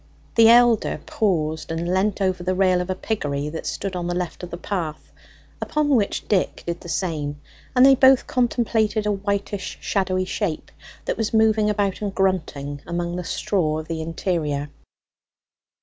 The elder paused and leant over the rail of a piggery that stood on the left of the path, upon which Dick did the same; and they both contemplated a whitish shadowy shape that was moving about and grunting among the straw of the interior.